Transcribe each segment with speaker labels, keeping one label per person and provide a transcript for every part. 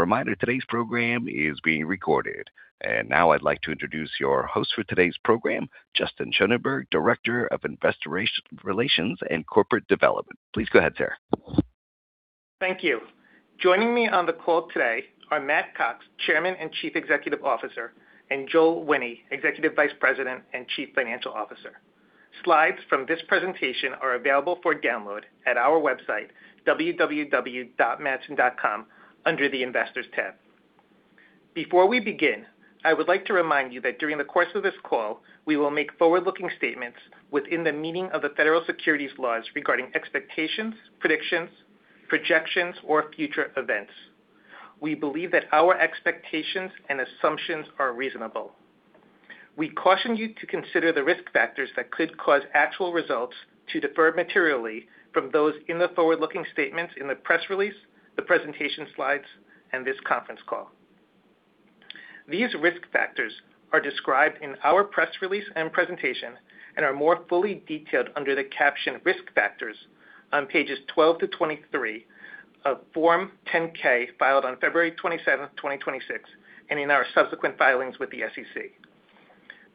Speaker 1: A reminder, today's program is being recorded. Now I'd like to introduce your host for today's program, Justin Schoenberg, Director of Investor Relations and Corporate Development. Please go ahead, sir.
Speaker 2: Thank you. Joining me on the call today are Matt Cox, Chairman and Chief Executive Officer, and Joel Wine, Executive Vice President and Chief Financial Officer. Slides from this presentation are available for download at our website www.matson.com under the Investors tab. Before we begin, I would like to remind you that during the course of this call, we will make forward-looking statements within the meaning of the federal securities laws regarding expectations, predictions, projections, or future events. We believe that our expectations and assumptions are reasonable. We caution you to consider the risk factors that could cause actual results to defer materially from those in the forward-looking statements in the press release, the presentation slides, and this conference call. These risk factors are described in our press release and presentation and are more fully detailed under the caption Risk Factors on pages 12 to 23 of Form 10-K, filed on February 27, 2026, and in our subsequent filings with the SEC.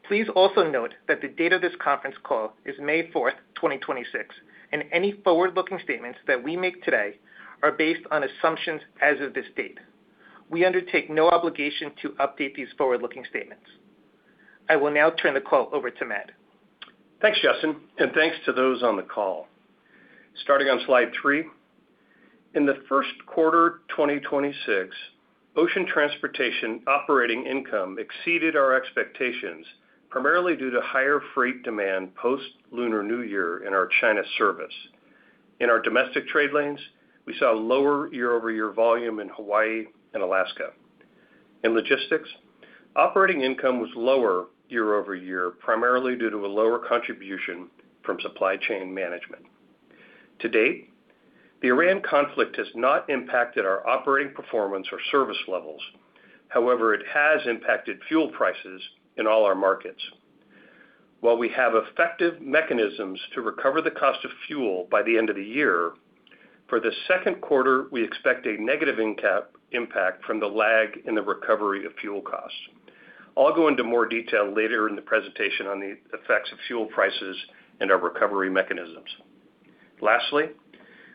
Speaker 2: Please also note that the date of this conference call is May 4th, 2026, and any forward-looking statements that we make today are based on assumptions as of this date. We undertake no obligation to update these forward-looking statements. I will now turn the call over to Matt.
Speaker 3: Thanks, Justin, and thanks to those on the call. Starting on slide three. In the first quarter 2026, ocean transportation operating income exceeded our expectations, primarily due to higher freight demand post-Lunar New Year in our China service. In our domestic trade lanes, we saw lower year-over-year volume in Hawaii and Alaska. In Logistics, operating income was lower year-over-year, primarily due to a lower contribution from supply chain management. To date, the Iran conflict has not impacted our operating performance or service levels. However, it has impacted fuel prices in all our markets. While we have effective mechanisms to recover the cost of fuel by the end of the year, for the second quarter, we expect a negative impact from the lag in the recovery of fuel costs. I'll go into more detail later in the presentation on the effects of fuel prices and our recovery mechanisms. Lastly,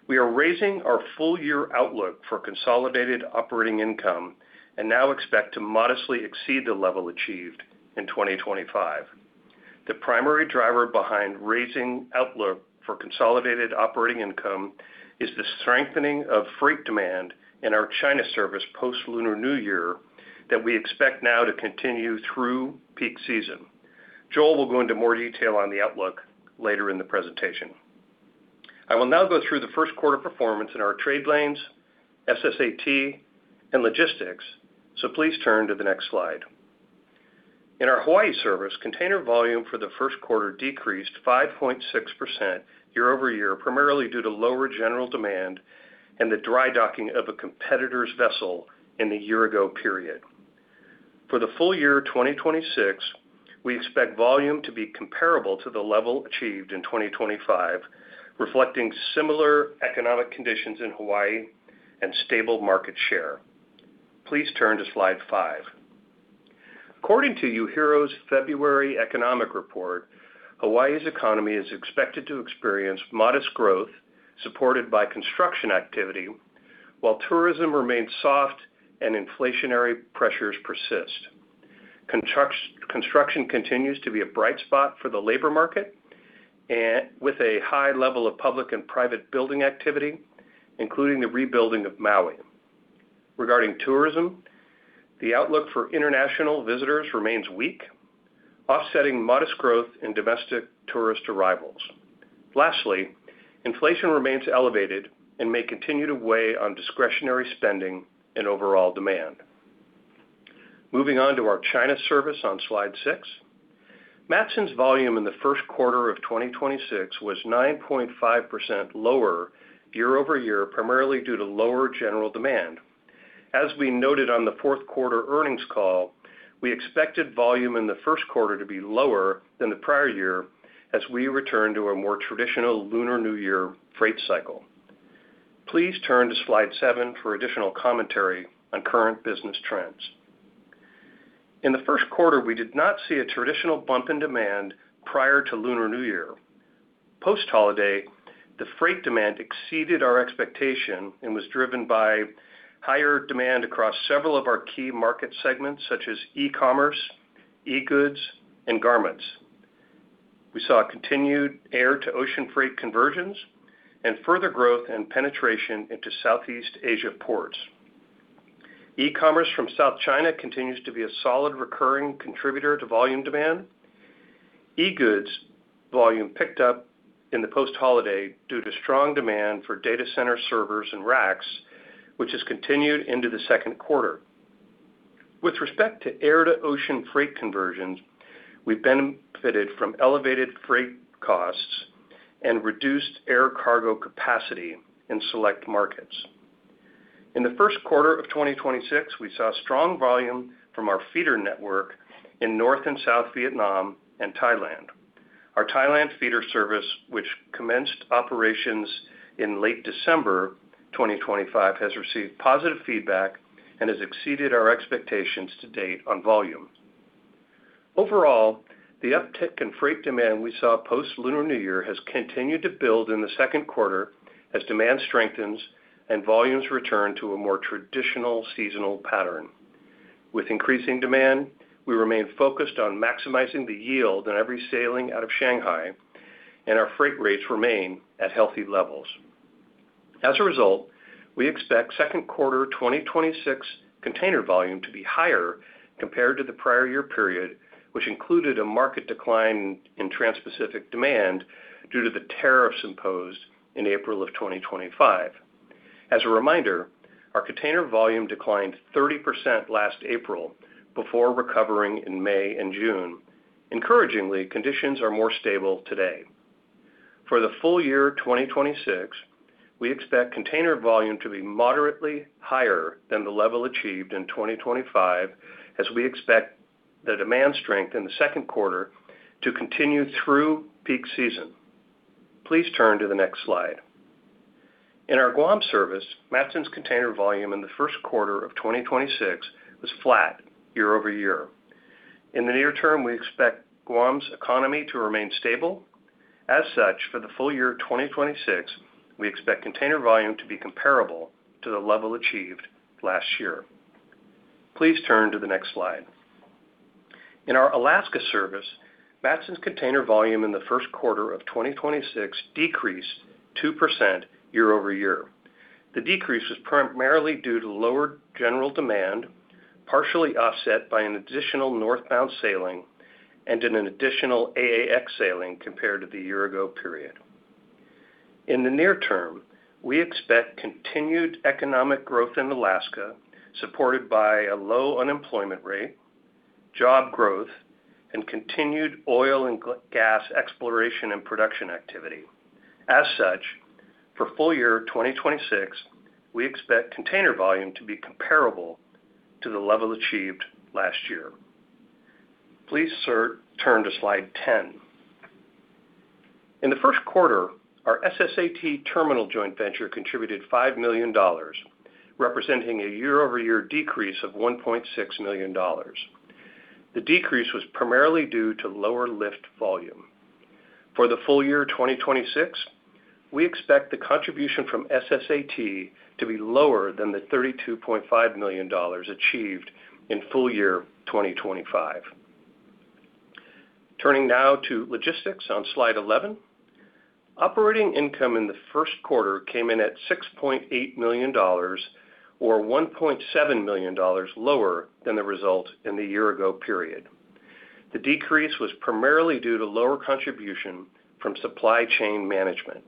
Speaker 3: we are raising our full year outlook for consolidated operating income and now expect to modestly exceed the level achieved in 2025. The primary driver behind raising outlook for consolidated operating income is the strengthening of freight demand in our China service post-Lunar New Year that we expect now to continue through peak season. Joel will go into more detail on the outlook later in the presentation. I will now go through the first quarter performance in our trade lanes, SSAT, and logistics. Please turn to the next slide. In our Hawaiʻi service, container volume for the first quarter decreased 5.6% year-over-year, primarily due to lower general demand and the drydocking of a competitor's vessel in the year-ago period. For the full year 2026, we expect volume to be comparable to the level achieved in 2025, reflecting similar economic conditions in Hawaii and stable market share. Please turn to slide five. According to UHERO's February economic report, Hawaii's economy is expected to experience modest growth supported by construction activity while tourism remains soft and inflationary pressures persist. Construction continues to be a bright spot for the labor market and with a high level of public and private building activity, including the rebuilding of Maui. Regarding tourism, the outlook for international visitors remains weak, offsetting modest growth in domestic tourist arrivals. Lastly, inflation remains elevated and may continue to weigh on discretionary spending and overall demand. Moving on to our China service on slide six. Matson's volume in the first quarter of 2026 was 9.5% lower year-over-year, primarily due to lower general demand. As we noted on the fourth quarter earnings call, we expected volume in the first quarter to be lower than the prior year as we return to a more traditional Lunar New Year freight cycle. Please turn to slide seven for additional commentary on current business trends. In the first quarter, we did not see a traditional bump in demand prior to Lunar New Year. Post-holiday, the freight demand exceeded our expectation and was driven by higher demand across several of our key market segments such as e-commerce, e-goods, and garments. We saw continued air-to-ocean freight conversions and further growth and penetration into Southeast Asia ports. E-commerce from South China continues to be a solid recurring contributor to volume demand. E-goods volume picked up in the post-holiday due to strong demand for data center servers and racks, which has continued into the second quarter. With respect to air-to-ocean freight conversions, we benefited from elevated freight costs and reduced air cargo capacity in select markets. In the first quarter of 2026, we saw strong volume from our feeder network in North and South Vietnam and Thailand. Our Thailand feeder service, which commenced operations in late December 2025, has received positive feedback and has exceeded our expectations to date on volume. Overall, the uptick in freight demand we saw post-Lunar New Year has continued to build in the second quarter as demand strengthens and volumes return to a more traditional seasonal pattern. With increasing demand, we remain focused on maximizing the yield on every sailing out of Shanghai, and our freight rates remain at healthy levels. As a result, we expect second quarter 2026 container volume to be higher compared to the prior year period, which included a market decline in Transpacific demand due to the tariffs imposed in April 2025. As a reminder, our container volume declined 30% last April before recovering in May and June. Encouragingly, conditions are more stable today. For the full year 2026, we expect container volume to be moderately higher than the level achieved in 2025, as we expect the demand strength in the second quarter to continue through peak season. Please turn to the next slide. In our Guam service, Matson's container volume in the first quarter of 2026 was flat year-over-year. In the near term, we expect Guam's economy to remain stable. As such, for the full year 2026, we expect container volume to be comparable to the level achieved last year. Please turn to the next slide. In our Alaska service, Matson's container volume in the first quarter of 2026 decreased 2% year-over-year. The decrease was primarily due to lower general demand, partially offset by an additional northbound sailing and an additional AAX sailing compared to the year ago period. In the near term, we expect continued economic growth in Alaska, supported by a low unemployment rate, job growth, and continued oil and gas exploration and production activity. For full year 2026, we expect container volume to be comparable to the level achieved last year. Please, sir, turn to slide 10. In the first quarter, our SSAT terminal joint venture contributed $5 million, representing a year-over-year decrease of $1.6 million. The decrease was primarily due to lower lift volume. For the full year 2026, we expect the contribution from SSAT to be lower than the $32.5 million achieved in full year 2025. Turning now to logistics on slide 11. Operating income in the first quarter came in at $6.8 million or $1.7 million lower than the result in the year-ago period. The decrease was primarily due to lower contribution from supply chain management.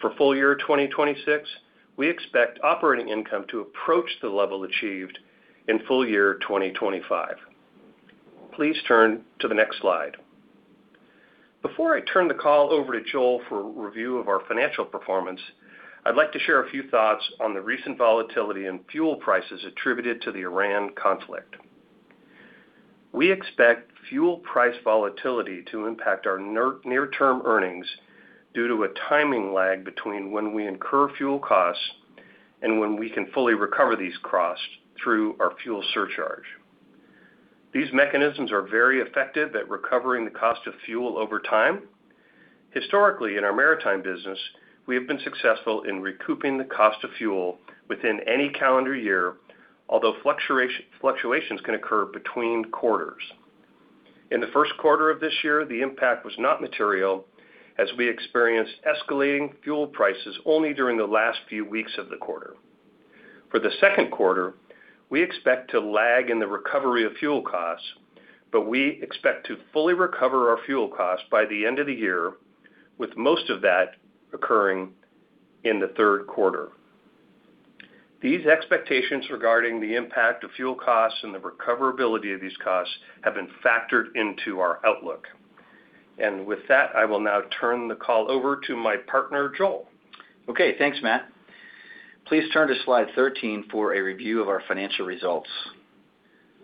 Speaker 3: For full year 2026, we expect operating income to approach the level achieved in full year 2025. Please turn to the next slide. Before I turn the call over to Joel for review of our financial performance, I'd like to share a few thoughts on the recent volatility in fuel prices attributed to the Iran conflict. We expect fuel price volatility to impact our near-term earnings due to a timing lag between when we incur fuel costs and when we can fully recover these costs through our fuel surcharge. These mechanisms are very effective at recovering the cost of fuel over time. Historically, in our maritime business, we have been successful in recouping the cost of fuel within any calendar year, although fluctuations can occur between quarters. In the first quarter of this year, the impact was not material as we experienced escalating fuel prices only during the last few weeks of the quarter. For the second quarter, we expect to lag in the recovery of fuel costs, but we expect to fully recover our fuel costs by the end of the year, with most of that occurring in the third quarter. These expectations regarding the impact of fuel costs and the recoverability of these costs have been factored into our outlook. With that, I will now turn the call over to my partner, Joel.
Speaker 4: Okay. Thanks, Matt. Please turn to slide 13 for a review of our financial results.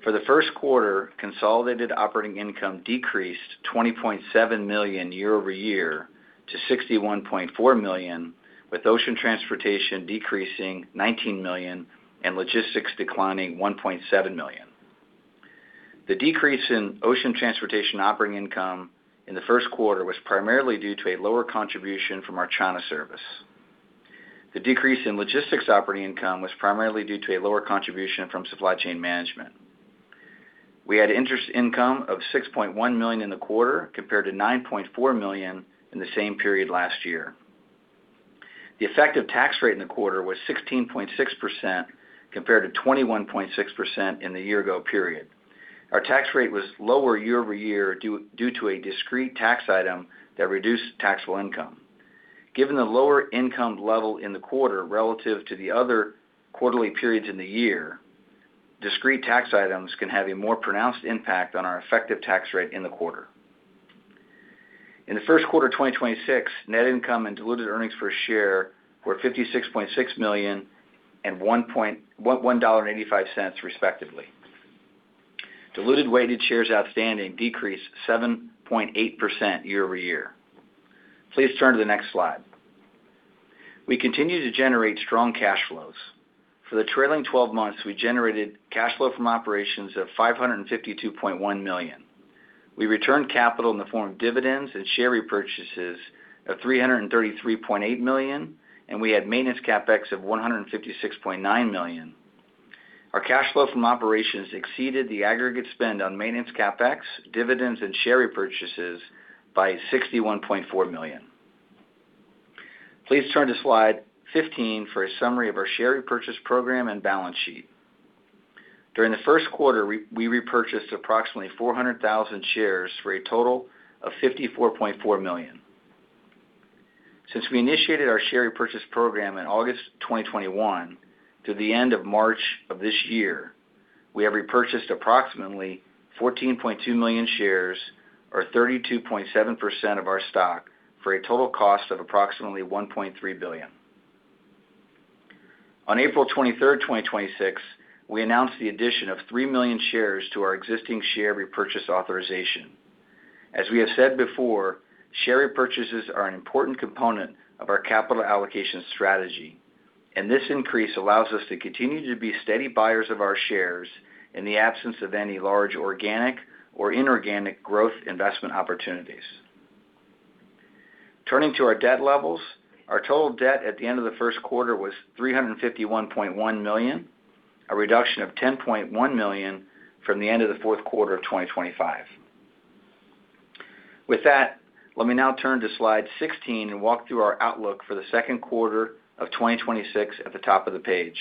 Speaker 4: For the first quarter, consolidated operating income decreased $20.7 million year-over-year to $61.4 million, with ocean transportation decreasing $19 million and logistics declining $1.7 million. The decrease in ocean transportation operating income in the first quarter was primarily due to a lower contribution from our China service. The decrease in logistics operating income was primarily due to a lower contribution from supply chain management. We had interest income of $6.1 million in the quarter, compared to $9.4 million in the same period last year. The effective tax rate in the quarter was 16.6%, compared to 21.6% in the year-ago period. Our tax rate was lower year-over-year due to a discrete tax item that reduced taxable income. Given the lower income level in the quarter relative to the other quarterly periods in the year, discrete tax items can have a more pronounced impact on our effective tax rate in the quarter. In the first quarter 2026, net income and diluted earnings per share were $56.6 million and $1.85, respectively. Diluted weighted shares outstanding decreased 7.8% year-over-year. Please turn to the next slide. We continue to generate strong cash flows. For the trailing 12 months, we generated cash flow from operations of $552.1 million. We returned capital in the form of dividends and share repurchases of $333.8 million, and we had maintenance CapEx of $156.9 million. Our cash flow from operations exceeded the aggregate spend on maintenance CapEx, dividends, and share repurchases by $61.4 million. Please turn to slide 15 for a summary of our share repurchase program and balance sheet. During the first quarter, we repurchased approximately 400,000 shares for a total of $54.4 million. Since we initiated our share repurchase program in August 2021 to the end of March of this year, we have repurchased approximately 14.2 million shares, or 32.7% of our stock, for a total cost of approximately $1.3 billion. On April 23rd, 2026, we announced the addition of 3 million shares to our existing share repurchase authorization. As we have said before, share repurchases are an important component of our capital allocation strategy, and this increase allows us to continue to be steady buyers of our shares in the absence of any large organic or inorganic growth investment opportunities. Turning to our debt levels, our total debt at the end of the first quarter was $351.1 million, a reduction of $10.1 million from the end of the fourth quarter of 2025. With that, let me now turn to slide 16 and walk through our outlook for the second quarter of 2026 at the top of the page.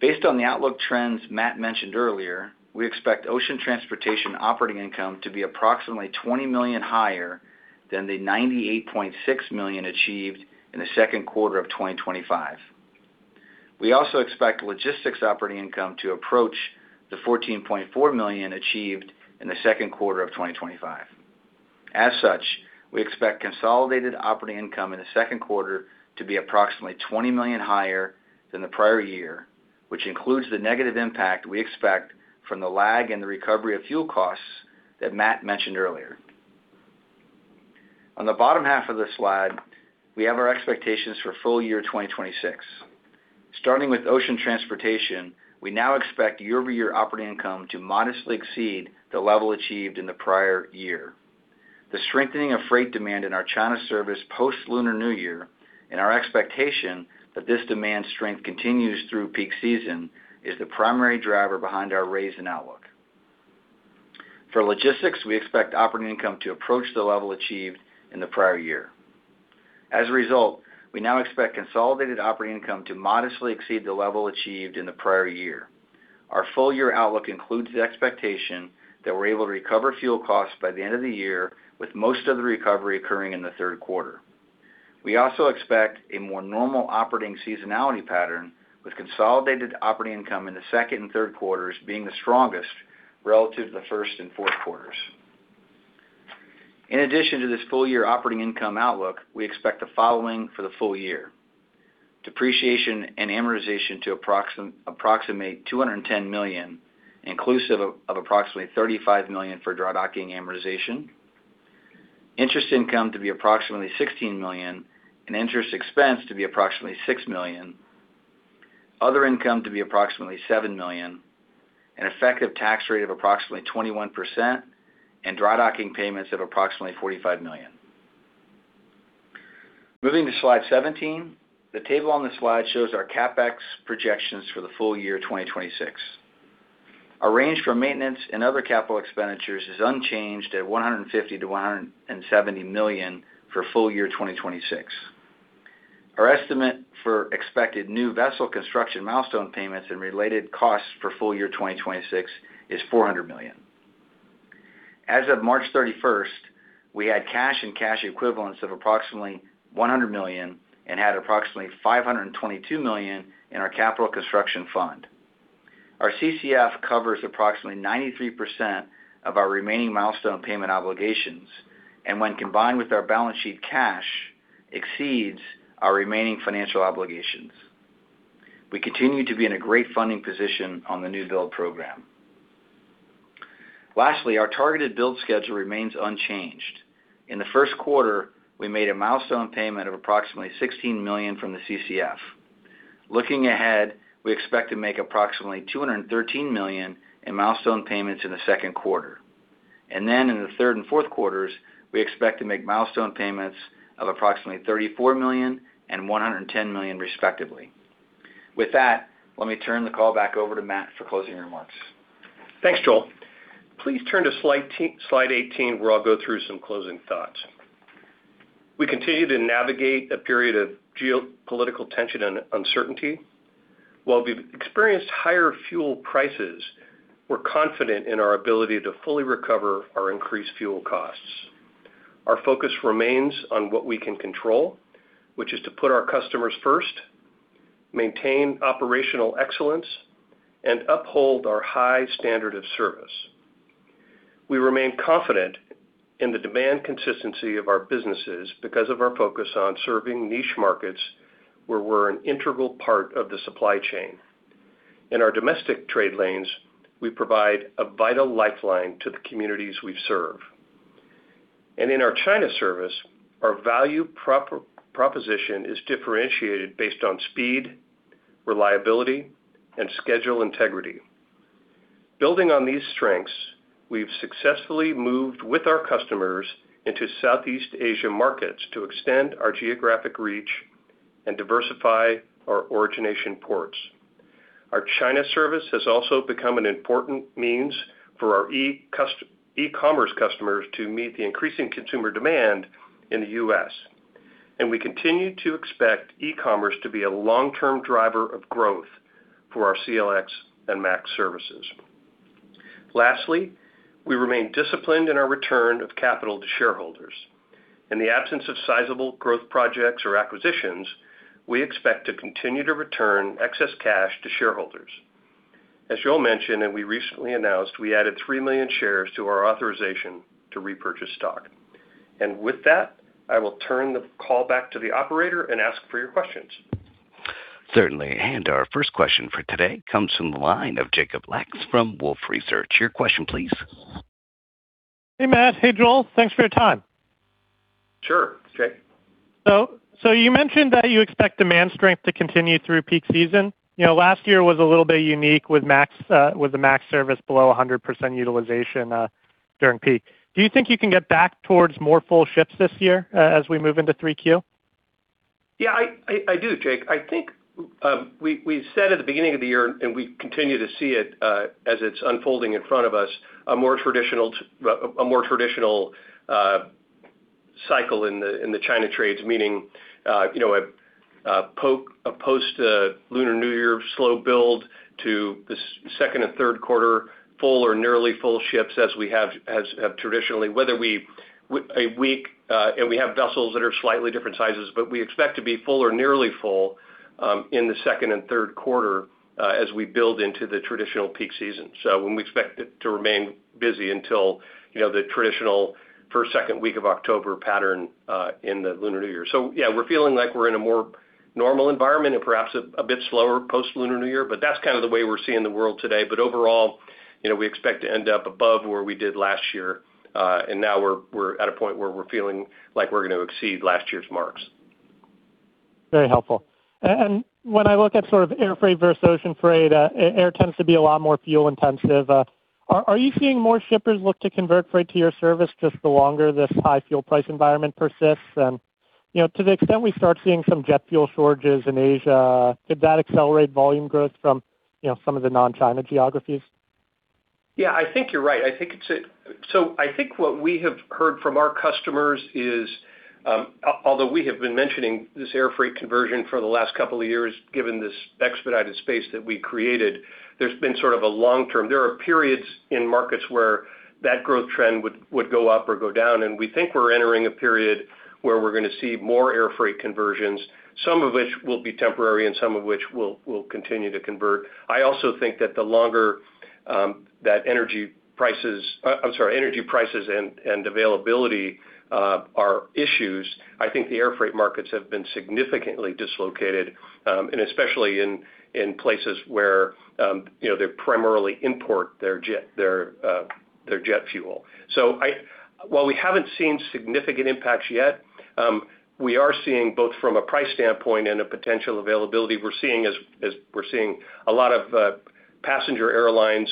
Speaker 4: Based on the outlook trends Matt mentioned earlier, we expect ocean transportation operating income to be approximately $20 million higher than the $98.6 million achieved in the second quarter of 2025. We also expect logistics operating income to approach the $14.4 million achieved in the second quarter of 2025. As such, we expect consolidated operating income in the second quarter to be approximately $20 million higher than the prior year, which includes the negative impact we expect from the lag and the recovery of fuel costs that Matt mentioned earlier. On the bottom half of the slide, we have our expectations for full year 2026. Starting with ocean transportation, we now expect year-over-year operating income to modestly exceed the level achieved in the prior year. The strengthening of freight demand in our China service post-Lunar New Year and our expectation that this demand strength continues through peak season is the primary driver behind our raise in outlook. For logistics, we expect operating income to approach the level achieved in the prior year. We now expect consolidated operating income to modestly exceed the level achieved in the prior year. Our full year outlook includes the expectation that we're able to recover fuel costs by the end of the year, with most of the recovery occurring in the third quarter. We also expect a more normal operating seasonality pattern with consolidated operating income in the second and third quarters being the strongest relative to the first and fourth quarters. In addition to this full year operating income outlook, we expect the following for the full year: depreciation and amortization to approximate $210 million, inclusive of approximately $35 million for drydocking amortization, interest income to be approximately $16 million, and interest expense to be approximately $6 million, other income to be approximately $7 million, an effective tax rate of approximately 21%, and drydocking payments of approximately $45 million. Moving to slide 17, the table on this slide shows our CapEx projections for the full year 2026. Our range for maintenance and other capital expenditures is unchanged at $150 million-$170 million for full year 2026. Our estimate for expected new vessel construction milestone payments and related costs for full year 2026 is $400 million. As of March 31st, we had cash and cash equivalents of approximately $100 million and had approximately $522 million in our Capital Construction Fund. Our CCF covers approximately 93% of our remaining milestone payment obligations, and when combined with our balance sheet, cash exceeds our remaining financial obligations. We continue to be in a great funding position on the new build program. Lastly, our targeted build schedule remains unchanged. In the first quarter, we made a milestone payment of approximately $16 million from the CCF. Looking ahead, we expect to make approximately $213 million in milestone payments in the second quarter. Then in the third and fourth quarters, we expect to make milestone payments of approximately $34 million and $110 million respectively. With that, let me turn the call back over to Matt for closing remarks.
Speaker 3: Thanks, Joel. Please turn to slide 18, where I'll go through some closing thoughts. We continue to navigate a period of geopolitical tension and uncertainty. While we've experienced higher fuel prices, we're confident in our ability to fully recover our increased fuel costs. Our focus remains on what we can control, which is to put our customers first, maintain operational excellence, and uphold our high standard of service. We remain confident in the demand consistency of our businesses because of our focus on serving niche markets where we're an integral part of the supply chain. In our domestic trade lanes, we provide a vital lifeline to the communities we serve. In our China service, our value proposition is differentiated based on speed, reliability, and schedule integrity. Building on these strengths, we've successfully moved with our customers into Southeast Asia markets to extend our geographic reach and diversify our origination ports. Our China service has also become an important means for our e-commerce customers to meet the increasing consumer demand in the U.S., and we continue to expect e-commerce to be a long-term driver of growth for our CLX and MAX services. Lastly, we remain disciplined in our return of capital to shareholders. In the absence of sizable growth projects or acquisitions, we expect to continue to return excess cash to shareholders. As Joel mentioned, and we recently announced, we added 3 million shares to our authorization to repurchase stock. With that, I will turn the call back to the operator and ask for your questions.
Speaker 1: Certainly. Our first question for today comes from the line of Jacob Lacks from Wolfe Research. Your question please.
Speaker 5: Hey, Matt. Hey, Joel. Thanks for your time.
Speaker 3: Sure, Jake.
Speaker 5: You mentioned that you expect demand strength to continue through peak season. You know, last year was a little bit unique with MAX, with the MAX service below 100% utilization during peak. Do you think you can get back towards more full ships this year as we move into 3Q?
Speaker 3: I do, Jake. I think, we said at the beginning of the year, and we continue to see it, as it's unfolding in front of us, a more traditional cycle in the China trades, meaning, you know, a post-Lunar New Year slow build to the second and third quarter full or nearly full ships as we have, traditionally. Whether we a week, and we have vessels that are slightly different sizes, but we expect to be full or nearly full in the second and third quarter as we build into the traditional peak season. When we expect it to remain busy until, you know, the traditional first, second week of October pattern in the Lunar New Year. Yeah, we're feeling like we're in a more normal environment and perhaps a bit slower post-Lunar New Year, but that's kind of the way we're seeing the world today. Overall, you know, we expect to end up above where we did last year, and now we're at a point where we're feeling like we're gonna exceed last year's marks.
Speaker 5: Very helpful. When I look at sort of air freight versus ocean freight, air tends to be a lot more fuel intensive. Are you seeing more shippers look to convert freight to your service just the longer this high fuel price environment persists? You know, to the extent we start seeing some jet fuel shortages in Asia, could that accelerate volume growth from, you know, some of the non-China geographies?
Speaker 3: Yeah, I think you're right. I think what we have heard from our customers is, although we have been mentioning this air freight conversion for the last couple of years, given this expedited space that we created, there's been sort of a long term. There are periods in markets where that growth trend would go up or go down, and we think we're entering a period where we're going to see more air freight conversions, some of which will be temporary and some of which will continue to convert. I also think that the longer that energy prices, I'm sorry, energy prices and availability are issues, I think the air freight markets have been significantly dislocated, and especially in places where, you know, they primarily import their jet fuel. While we haven't seen significant impacts yet, we are seeing both from a price standpoint and a potential availability, we're seeing is we're seeing a lot of passenger airlines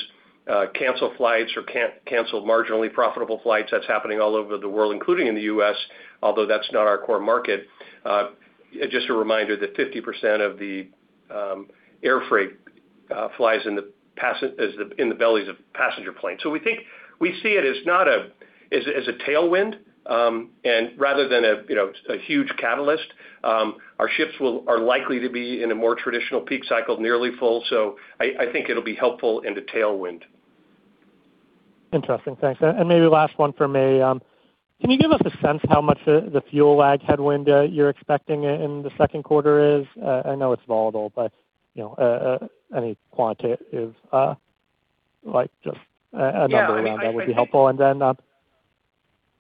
Speaker 3: cancel flights or cancel marginally profitable flights. That's happening all over the world, including in the U.S., although that's not our core market. Just a reminder that 50% of the air freight flies in the bellies of passenger planes. We think we see it as not a tailwind, and rather than a, you know, a huge catalyst, our ships are likely to be in a more traditional peak cycle, nearly full. I think it'll be helpful in the tailwind.
Speaker 5: Interesting. Thanks. Maybe last one for me. Can you give us a sense how much the fuel lag headwind you're expecting in the second quarter is? I know it's volatile, but, you know, any quantitative, like just a number around that would be helpful and then.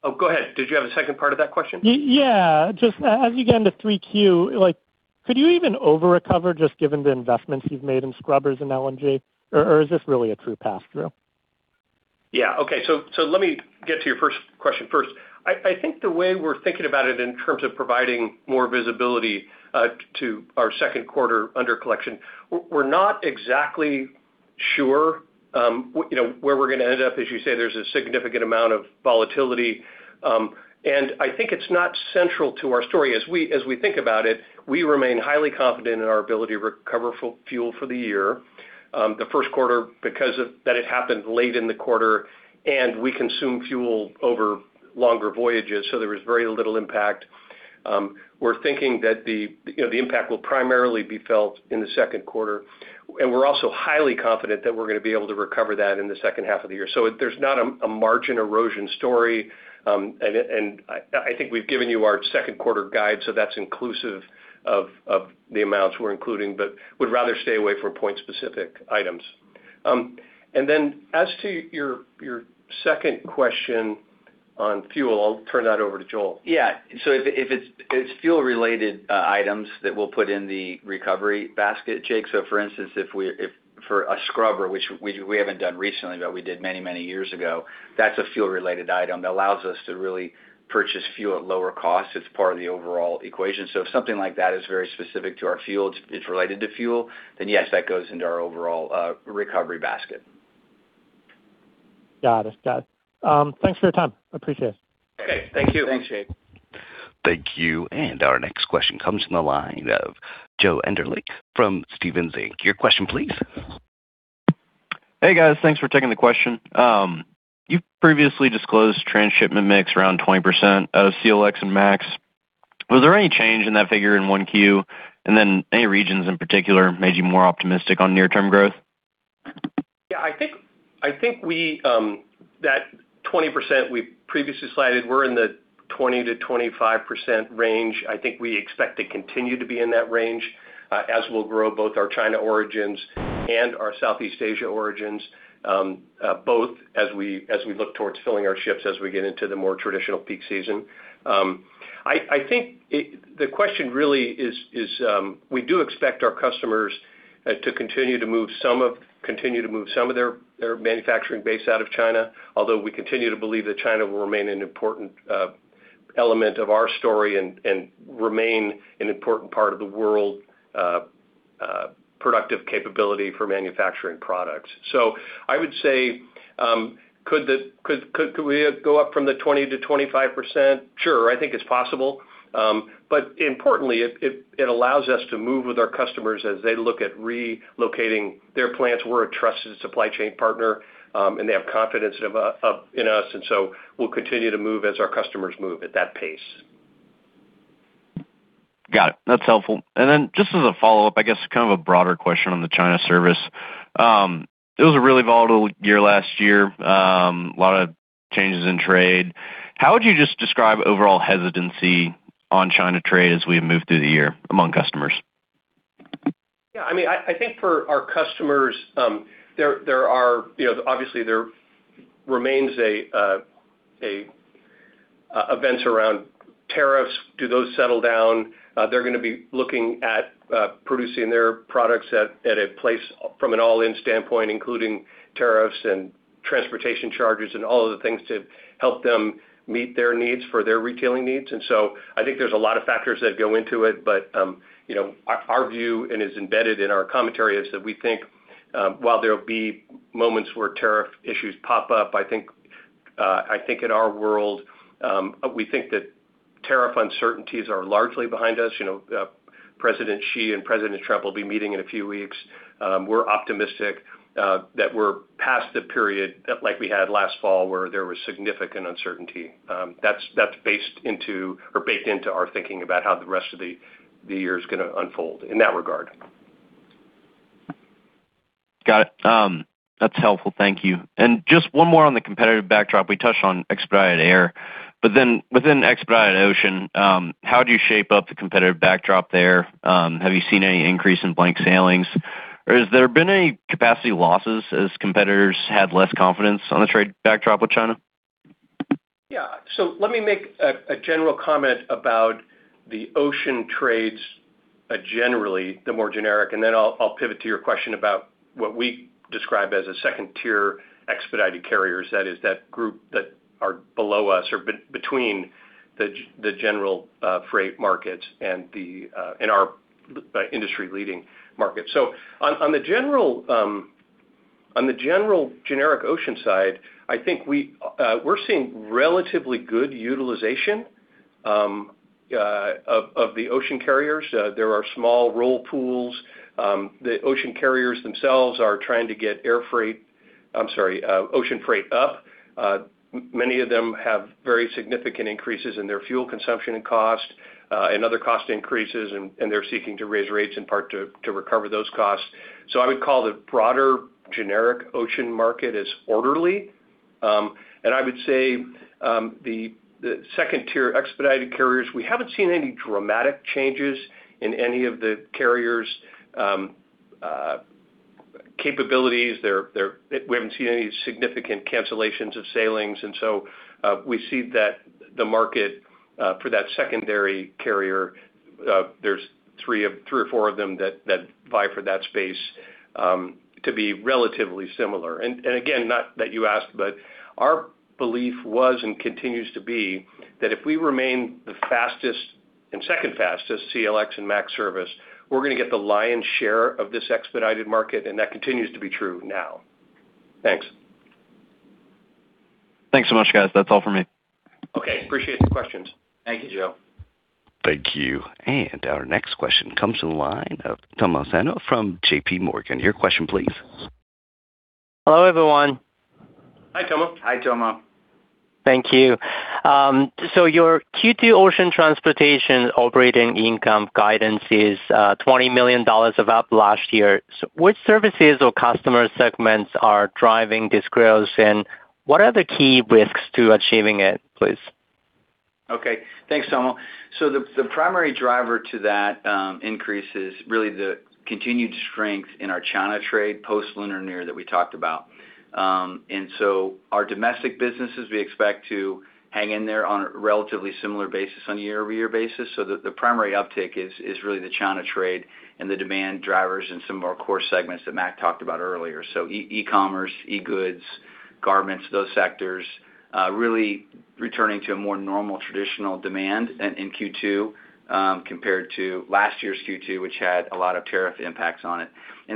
Speaker 3: Oh, go ahead. Did you have a second part of that question?
Speaker 5: Yeah. Just as you get into 3Q, like could you even over recover just given the investments you've made in scrubbers and LNG? Or is this really a true pass through?
Speaker 3: Okay. Let me get to your first question first. I think the way we're thinking about it in terms of providing more visibility to our second quarter under collection, we're not exactly sure, you know, where we're going to end up. As you say, there's a significant amount of volatility. I think it's not central to our story. As we think about it, we remain highly confident in our ability to recover fuel for the year. The first quarter because that it happened late in the quarter and we consume fuel over longer voyages, so there was very little impact. We're thinking that, you know, the impact will primarily be felt in the second quarter. We're also highly confident that we're going to be able to recover that in the H2 of the year. It, there's not a margin erosion story. It, I think we've given you our second quarter guide, so that's inclusive of the amounts we're including, but would rather stay away from point specific items. As to your second question on fuel, I'll turn that over to Joel.
Speaker 4: Yeah. If it's fuel related items that we'll put in the recovery basket, Jake. For instance, if for a scrubber, which we haven't done recently, but we did many, many years ago, that's a fuel related item that allows us to really purchase fuel at lower cost. It's part of the overall equation. If something like that is very specific to our fuels, it's related to fuel, then yes, that goes into our overall recovery basket.
Speaker 5: Got it. Thanks for your time. Appreciate it.
Speaker 4: Okay, thank you.
Speaker 3: Thanks, Jake.
Speaker 1: Thank you. Our next question comes from the line of Joe Enderlin from Stephens Inc. Your question please.
Speaker 6: Hey, guys. Thanks for taking the question. You previously disclosed transshipment mix around 20% of CLX and MAX. Was there any change in that figure in 1Q? Any regions in particular made you more optimistic on near-term growth?
Speaker 3: Yeah, I think we, that 20% we previously cited, we're in the 20%-25% range. I think we expect to continue to be in that range, as we'll grow both our China origins and our Southeast Asia origins, both as we look towards filling our ships as we get into the more traditional peak season. I think the question really is, we do expect our customers to continue to move some of their manufacturing base out of China, although we continue to believe that China will remain an important element of our story and remain an important part of the world productive capability for manufacturing products. I would say, could we go up from the 20% to 25%? Sure, I think it's possible. Importantly, it allows us to move with our customers as they look at relocating their plants. We're a trusted supply chain partner, and they have confidence in us, and so we'll continue to move as our customers move at that pace.
Speaker 6: Got it. That's helpful. Just as a follow-up, I guess kind of a broader question on the China service. It was a really volatile year last year, a lot of changes in trade. How would you just describe overall hesitancy on China trade as we move through the year among customers?
Speaker 3: Yeah, I mean, I think for our customers, there are, you know, obviously there remains events around tariffs. Do those settle down? They're gonna be looking at producing their products at a place from an all-in standpoint, including tariffs and transportation charges and all of the things to help them meet their needs for their retailing needs. I think there's a lot of factors that go into it. You know, our view and is embedded in our commentary is that we think, while there will be moments where tariff issues pop up, I think in our world, we think that tariff uncertainties are largely behind us. You know, President Xi and President Trump will be meeting in a few weeks. We're optimistic that we're past the period like we had last fall, where there was significant uncertainty. That's based into or baked into our thinking about how the rest of the year is gonna unfold in that regard.
Speaker 6: Got it. That's helpful. Thank you. Just one more on the competitive backdrop. We touched on expedited air, within expedited ocean, how do you shape up the competitive backdrop there? Have you seen any increase in blank sailings? Has there been any capacity losses as competitors had less confidence on the trade backdrop with China?
Speaker 3: Yeah. Let me make a general comment about the ocean trades, generally, the more generic, and then I'll pivot to your question about what we describe as a second-tier expedited carriers. That is that group that are below us or between the general freight markets and in our industry-leading market. On the general, on the general generic ocean side, I think we're seeing relatively good utilization of the ocean carriers. There are small roll pools. The ocean carriers themselves are trying to get ocean freight up. Many of them have very significant increases in their fuel consumption and cost and other cost increases, and they're seeking to raise rates in part to recover those costs. I would call the broader generic ocean market as orderly. I would say the second tier expedited carriers, we haven't seen any dramatic changes in any of the carriers' capabilities. We haven't seen any significant cancellations of sailings. We see that the market for that secondary carrier, there's three or four of them that vie for that space, to be relatively similar. Again, not that you asked, but our belief was and continues to be that if we remain the fastest and second fastest CLX and MAX service, we're gonna get the lion's share of this expedited market, and that continues to be true now. Thanks.
Speaker 6: Thanks so much, guys. That's all for me.
Speaker 3: Okay. Appreciate the questions.
Speaker 4: Thank you, Joe.
Speaker 1: Thank you. Our next question comes from the line of Tomo Sano from JPMorgan. Your question please.
Speaker 7: Hello, everyone.
Speaker 3: Hi, Tomo.
Speaker 4: Hi, Tomo.
Speaker 7: Thank you. Your Q2 ocean transportation operating income guidance is $20 million of up last year. Which services or customer segments are driving this growth? What are the key risks to achieving it, please?
Speaker 4: Okay. Thanks, Tomo. The primary driver to that increase is really the continued strength in our China trade post-Lunar New Year that we talked about. Our domestic businesses, we expect to hang in there on a relatively similar basis on a year-over-year basis, the primary uptick is really the China trade and the demand drivers in some of our core segments that Matt talked about earlier. E-commerce, e-goods, garments, those sectors really returning to a more normal traditional demand in Q2 compared to last year's Q2, which had a lot of tariff impacts on it.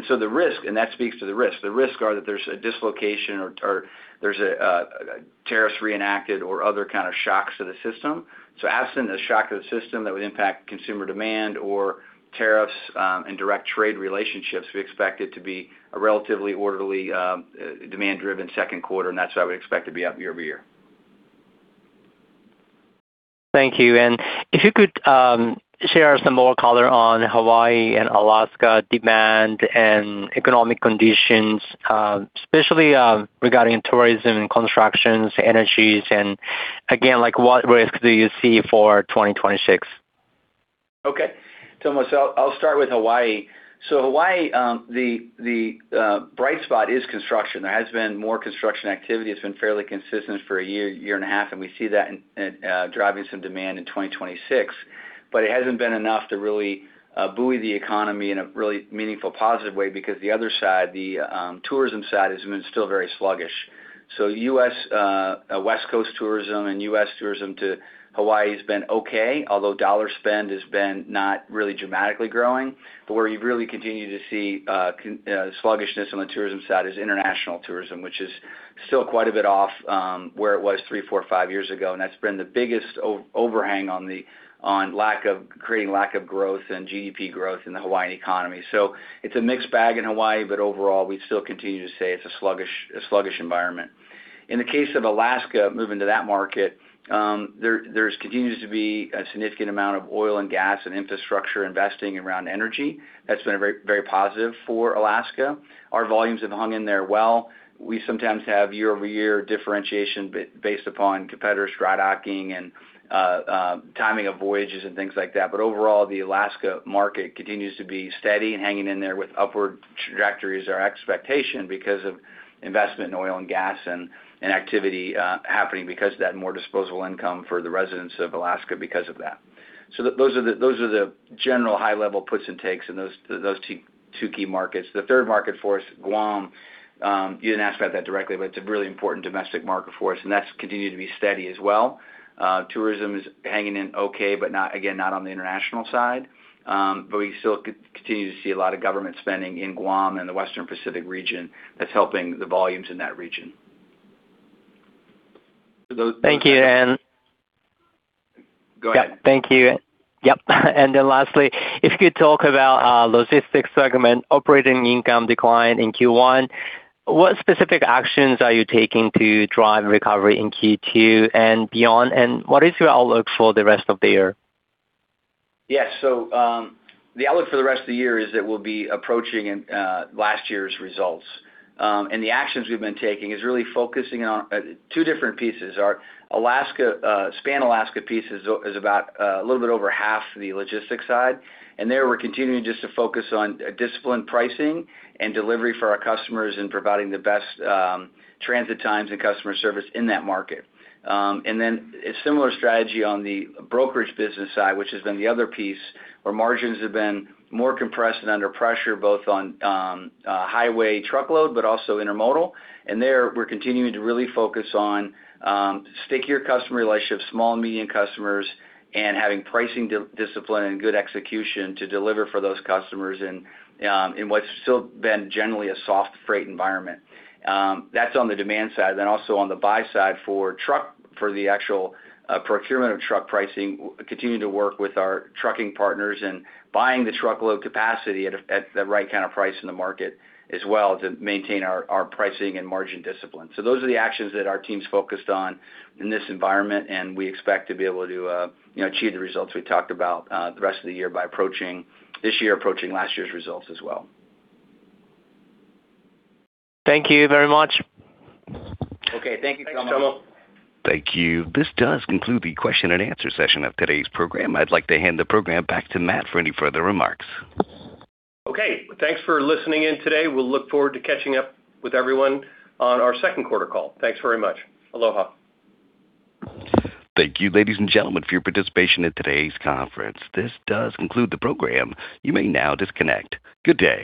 Speaker 4: The risk, and that speaks to the risk, the risks are that there's a dislocation or there's a tariffs reenacted or other kind of shocks to the system. Absent a shock to the system that would impact consumer demand or tariffs, and direct trade relationships, we expect it to be a relatively orderly, demand-driven second quarter, and that's why we expect to be up year-over-year.
Speaker 7: Thank you. If you could, share some more color on Hawaii and Alaska demand and economic conditions, especially, regarding tourism and constructions, energies, and again, like what risks do you see for 2026?
Speaker 4: Okay. Tomo, I'll start with Hawaii. Hawaii, the bright spot is construction. There has been more construction activity. It's been fairly consistent for a year and a half. We see that driving some demand in 2026. It hasn't been enough to really buoy the economy in a really meaningful positive way because the other side, the tourism side, has been still very sluggish. U.S. West Coast tourism and U.S. tourism to Hawaii has been okay, although dollar spend has been not really dramatically growing. Where you've really continued to see sluggishness on the tourism side is international tourism, which is still quite a bit off where it was three, four, five years ago, and that's been the biggest overhang on the lack of creating lack of growth and GDP growth in the Hawaiian economy. It's a mixed bag in Hawaii, but overall, we still continue to say it's a sluggish environment. Alaska, moving to that market, there continues to be a significant amount of oil and gas and infrastructure investing around energy. That's been a very, very positive for Alaska. Our volumes have hung in there well. We sometimes have year-over-year differentiation based upon competitors drydocking and timing of voyages and things like that. Overall, the Alaska market continues to be steady and hanging in there with upward trajectories or expectation because of investment in oil and gas and activity happening because of that more disposable income for the residents of Alaska because of that. Those are the general high-level puts and takes in those two key markets. The third market for us, Guam, you didn't ask about that directly, but it's a really important domestic market for us, and that's continued to be steady as well. Tourism is hanging in okay, but not, again, not on the international side. We still continue to see a lot of government spending in Guam and the Western Pacific region that's helping the volumes in that region.
Speaker 7: Thank you and.
Speaker 4: Go ahead.
Speaker 7: Yeah. Thank you. Yep. Then lastly, if you could talk about logistics segment operating income decline in Q1, what specific actions are you taking to drive recovery in Q2 and beyond? What is your outlook for the rest of the year?
Speaker 4: Yes. The outlook for the rest of the year is that we'll be approaching in last year's results. The actions we've been taking is really focusing on two different pieces. Our Alaska Span Alaska piece is about a little bit over half the logistics side. There, we're continuing just to focus on disciplined pricing and delivery for our customers and providing the best transit times and customer service in that market. Then a similar strategy on the brokerage business side, which has been the other piece where margins have been more compressed and under pressure, both on highway truckload, but also intermodal. There, we're continuing to really focus on stickier customer relationships, small and medium customers, and having pricing discipline and good execution to deliver for those customers in what's still been generally a soft freight environment. That's on the demand side. Also on the buy side for truck, for the actual procurement of truck pricing, continue to work with our trucking partners and buying the truckload capacity at the right kind of price in the market as well to maintain our pricing and margin discipline. Those are the actions that our team's focused on in this environment, and we expect to be able to, you know, achieve the results we talked about the rest of the year by approaching this year, approaching last year's results as well.
Speaker 7: Thank you very much.
Speaker 4: Okay. Thank you, Tomo.
Speaker 1: Thank you. This does conclude the question and answer session of today's program. I'd like to hand the program back to Matt for any further remarks.
Speaker 3: Okay. Thanks for listening in today. We'll look forward to catching up with everyone on our second quarter call. Thanks very much. Aloha.
Speaker 1: Thank you, ladies and gentlemen, for your participation in today's conference. This does conclude the program. You may now disconnect. Good day.